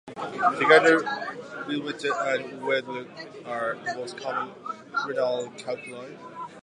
Together, whewellite and weddellite are the most common renal calculi.